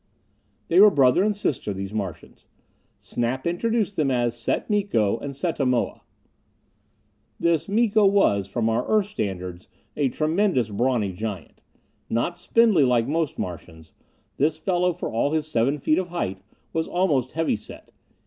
They were brother and sister, these Martians. Snap introduced them as Set Miko and Setta Moa. This Miko was, from our Earth standards, a tremendous, brawny giant. Not spindly, like most Martians, this fellow, for all his seven feet of height, was almost heavy set.